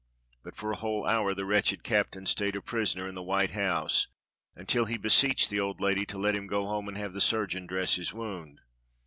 But for a whole hour the wretched captain stayed a prisoner in the white house until he beseeched the old lady to let him go home and have the surgeon dress his wound.